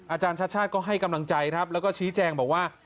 อาจารย์ชาติชาติก็ให้กำลังใจครับแล้วก็ชี้แจงบอกว่า